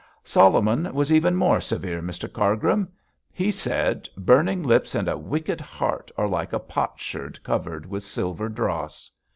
'Solomon was even more severe, Mr Cargrim. He said, "Burning lips and a wicked heart are like a potsherd covered with silver dross."